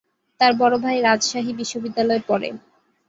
তার বড় ভাই রাজশাহী বিশ্বনিদ্যালয়ে পড়ে।